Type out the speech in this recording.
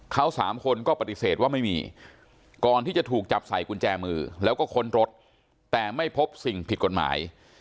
เขาสามคนก็ปฏิเสธว่าไม่มีก่อนที่จะถูกจับใส่กุญแจมือแล้วก็ค้นรถแต่ไม่พบสิ่งผิดกฎหมาย